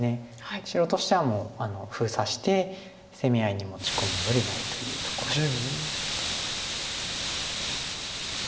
白としてはもう封鎖して攻め合いに持ち込むよりないというところです。